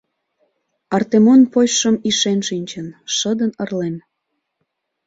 Артемон почшым ишен шинчын, шыдын ырлен.